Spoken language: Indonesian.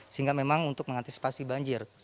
sehingga memang untuk mengantisipasi banjir